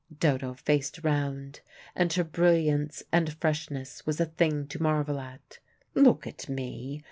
Dodo faced round, and her brilliance and freshness was a thing to marvel at "Look at me!"